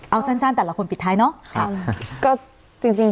เอาสั้นแต่ละคนปิดท้ายเนาะ